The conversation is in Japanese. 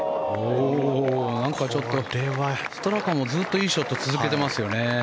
ストラカもずっといいショットを続けていますよね。